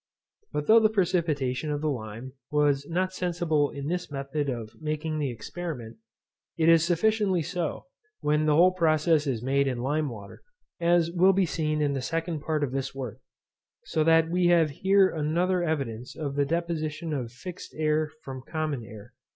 But though the precipitation of the lime was not sensible in this method of making the experiment, it is sufficiently so when the whole process is made in lime water, as will be seen in the second part of this work; so that we have here another evidence of the deposition of fixed air from common air.